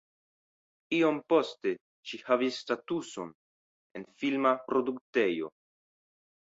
Iom poste ŝi havis statuson en filma produktejo.